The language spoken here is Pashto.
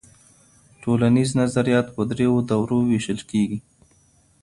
ټولنیز نظریات په درېیو دورو وېشل کيږي.